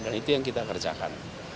dan itu yang kita kerjakan